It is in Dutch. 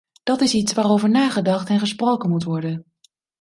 Dat is iets waarover nagedacht en gesproken moet worden.